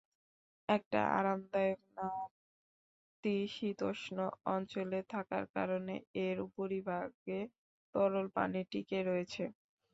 একটা আরামদায়ক, নাতিশীতোষ্ণ অঞ্চলে থাকার কারণে এর উপরিভাগে তরল পানি টিকে রয়েছে।